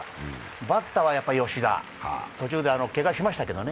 バッターはやはり吉田、途中でけがしましたけどね。